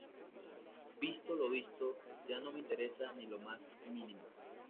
Visto lo visto, ya no me interesa ni lo más mínimo